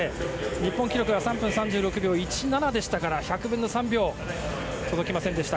日本記録は３分３６秒１７でしたから１００分の３秒届きませんでした。